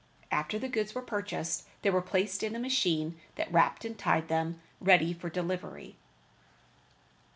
After the goods were purchased, they were placed in a machine that wrapped and tied them ready for delivery.